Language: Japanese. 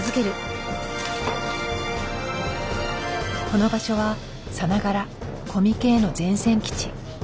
この場所はさながらコミケへの前線基地。